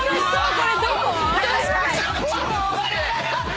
これどこ？